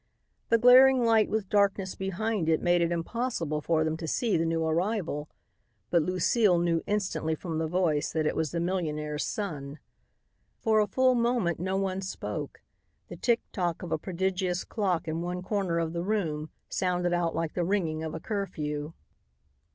The glaring light with darkness behind it made it impossible for them to see the new arrival but Lucile knew instantly from the voice that it was the millionaire's son. For a full moment no one spoke. The tick tock of a prodigious clock in one corner of the room sounded out like the ringing of a curfew.